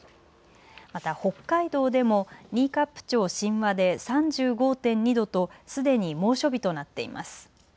また北海道でも新冠町新和で３５．２度とすでに猛暑日となっています。